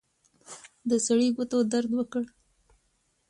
د سړي ګوتو درد وکړ.